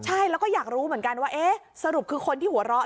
ใช่แล้วก็อยากรู้เหมือนกันว่าเอ๊ะสรุปคือคนที่หัวเราะ